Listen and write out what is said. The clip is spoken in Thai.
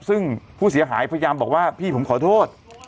ซึ่งผู้เสียหายพยายามบอกว่าพี่ผมขอโทษ